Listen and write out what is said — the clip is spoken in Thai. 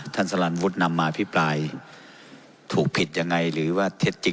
ท่านสลันวุทย์นำมาพิปรายถูกผิดอย่างไรหรือว่าทรัจะ